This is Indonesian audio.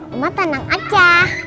mama tenang aja